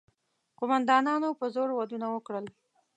قوماندانانو په زور ودونه وکړل.